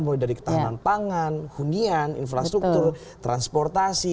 mulai dari ketahanan pangan hunian infrastruktur transportasi